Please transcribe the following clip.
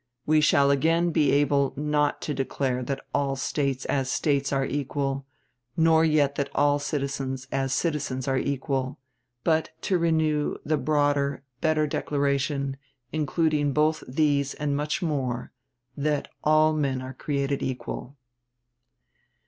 We shall again be able not to declare that "all States as States are equal," nor yet that "all citizens as citizens are equal," but to renew the broader, better declaration, including both these and much more, that "all men are created equal."